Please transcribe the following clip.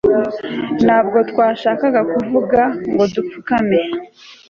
ntabwo twashakaga kuvuga ngo dupfukame